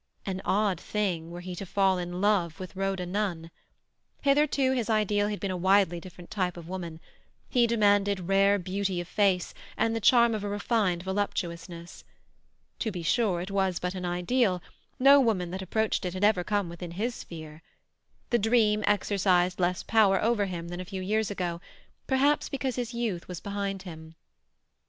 An odd thing were he to fall in love with Rhoda Nunn. Hitherto his ideal had been a widely different type of woman; he had demanded rare beauty of face, and the charm of a refined voluptuousness. To be sure, it was but an ideal; no woman that approached it had ever come within his sphere. The dream exercised less power over him than a few years ago; perhaps because his youth was behind him.